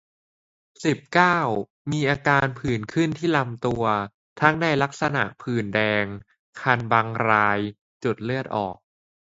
สิบเก้า มีอาการผื่นขึ้นที่ลำตัว ทั้งในลักษณะผื่นแดง คันบางราย จุดเลือดออก